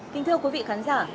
kính thưa quý vị khán giả